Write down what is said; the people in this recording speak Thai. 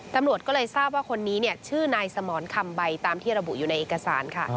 ตำรวจก็เลยทราบว่าคนนี้ชื่อนายสมรคำใบตามที่ระบุอยู่ในเอกสารค่ะ